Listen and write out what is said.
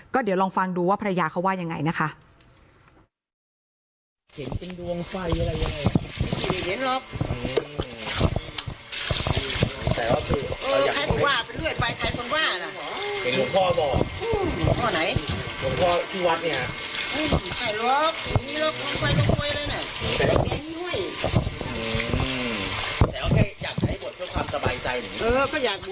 เดี๋ยวลองฟังดูว่าภรรยาเขาว่ายังไงนะคะ